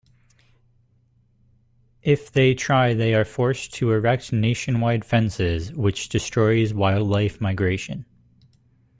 If they try they are forced to erect nationwide fences, which destroys wildlife migration.